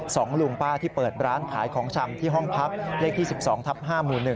สองลุงป้าที่เปิดร้านขายของชำที่ห้องพักเลขที่๑๒ทับ๕หมู่๑